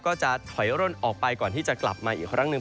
ก็จะถอยร่นออกไปก่อนที่จะกลับมาอีกครั้งหนึ่ง